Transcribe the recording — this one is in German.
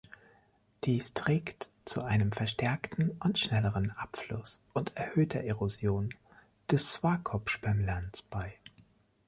Dies trägt zu einem verstärkten und schnelleren Abfluss und erhöhter Erosion des Swakop-Schwemmlands bei.